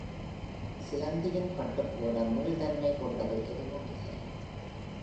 சிலந்தியின் பட்டு போல மீள்தன்மை கொண்டது எதுவும் இல்லை.